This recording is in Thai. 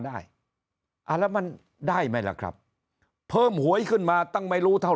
ได้อ่าแล้วมันได้ไหมล่ะครับเพิ่มหวยขึ้นมาตั้งไม่รู้เท่า